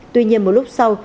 tuy nhiên một lúc sau